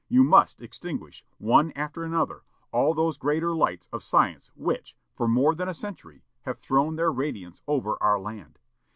You must extinguish, one after another, all those greater lights of science which, for more than a century, have thrown their radiance over our land!